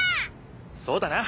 そうだな。